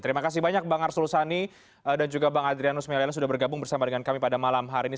terima kasih banyak bang arsul sani dan juga bang adrianus meliana sudah bergabung bersama dengan kami pada malam hari ini